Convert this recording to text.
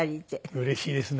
うれしいですね。